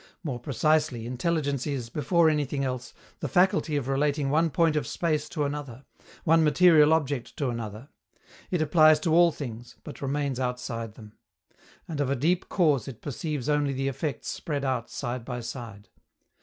More precisely, intelligence is, before anything else, the faculty of relating one point of space to another, one material object to another; it applies to all things, but remains outside them; and of a deep cause it perceives only the effects spread out side by side.